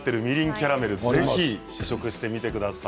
キャラメルぜひ試食してみてください。